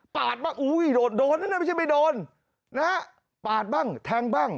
บ้างอุ้ยโดดโดนนั่นน่ะไม่ใช่ไม่โดนนะฮะปาดบ้างแทงบ้าง